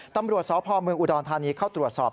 ตำรวจสพเมืองอุดรธานีเข้าตรวจสอบ